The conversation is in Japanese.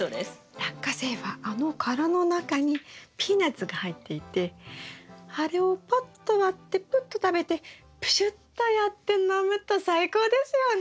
ラッカセイはあの殻の中にピーナツが入っていてあれをパッと割ってプッと食べてプシュッとやって飲むと最高ですよね。